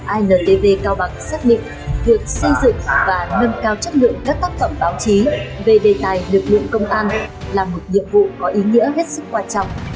intv cao bằng xác định việc xây dựng và nâng cao chất lượng các tác phẩm báo chí về đề tài lực lượng công an là một nhiệm vụ có ý nghĩa hết sức quan trọng